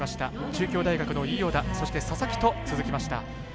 中京大学の伊與田、佐々木と続きました。